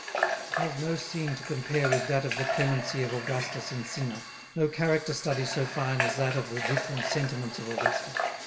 It has no scene to compare with that of the clemency of Augustus in Cinna, no character study so fine as that of the different sentiments of Augustus.